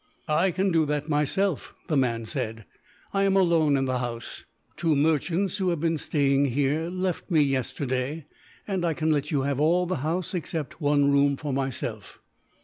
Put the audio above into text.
"I can do that, myself," the man said. "I am alone in the house. Two merchants who have been staying here left me, yesterday; and I can let you have all the house, except one room for myself."